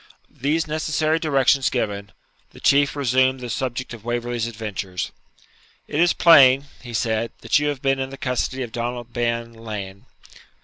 These necessary directions given, the Chieftain resumed the subject of Waverley's adventures. 'It is plain,' he said,'that you have been in the custody of Donald Bean Lean.